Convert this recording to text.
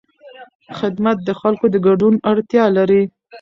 خدمت د خلکو د ګډون اړتیا لري.